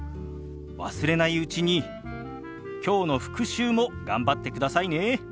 忘れないうちにきょうの復習も頑張ってくださいね。